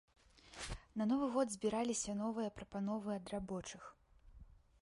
На новы год збіраліся новыя прапановы ад рабочых.